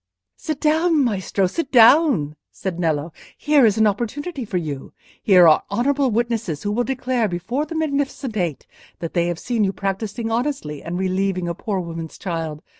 "Sit down, Maestro, sit down," said Nello. "Here is an opportunity for you; here are honourable witnesses who will declare before the Magnificent Eight that they have seen you practising honestly and relieving a poor woman's child.